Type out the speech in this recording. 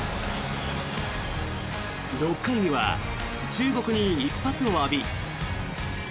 ６回には中国に一発を浴び。